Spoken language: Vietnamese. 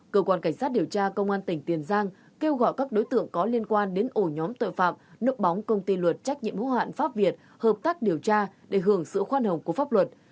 cơ quan cảnh sát điều tra công an tỉnh tiền giang kêu gọi các đối tượng có liên quan đến ổ nhóm tội phạm núp bóng công ty luật trách nhiệm hữu hạn pháp việt hợp tác điều tra để hưởng sự khoan hồng của pháp luật